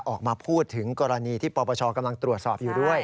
ออกมาพูดถึงกรณีที่ปปชกำลังตรวจสอบอยู่ด้วย